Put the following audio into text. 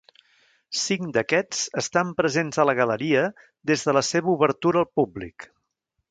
Cinc d'aquests estan presents a la galeria des de la seva obertura al públic.